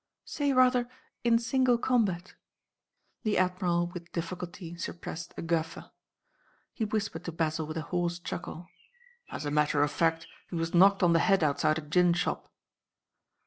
"Say rather in single combat." The Admiral with difficulty suppressed a guffaw. He whispered to Basil with a hoarse chuckle, "As a matter of fact he was knocked on the head outside a gin shop."